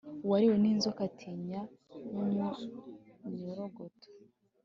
Uwariwe n’inzoka atinya n’umunyorogoto.